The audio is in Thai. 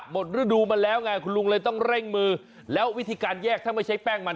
หมดฤดูมาแล้วไงคุณลุงเลยต้องเร่งมือแล้ววิธีการแยกถ้าไม่ใช่แป้งมัน